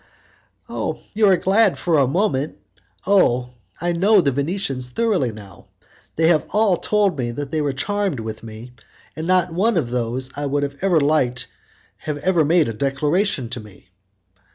"You are glad for a moment. Oh! I know the Venetians thoroughly now. They have all told me that they were charmed with me, and not one of those I would have liked ever made a declaration to me."